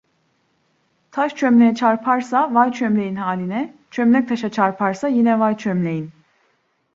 Taş çömleğe çarparsa vay çömleğin haline, çömlek taşa çarparsa yine vay çömleğin.